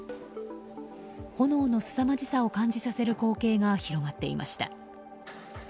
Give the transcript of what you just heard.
炎のすさまじさを感じさせる光景が広がっていました。